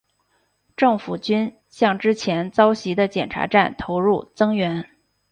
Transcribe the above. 政府军向之前遭袭的检查站投入增援。